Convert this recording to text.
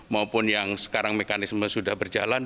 maupun yang sekarang mekanisme sudah berjalan